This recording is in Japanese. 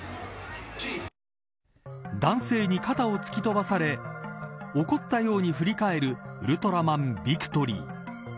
男性に肩を突き飛ばされ怒ったように振り返るウルトラマンビクトリー。